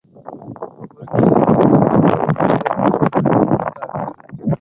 குறுக்கில் இவர்கள் போவதைக் கண்டு மற்றவர்கள் முணுமுணுத்தார்கள்.